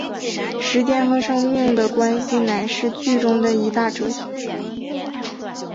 时间和生命的关系乃是剧中的一大哲学。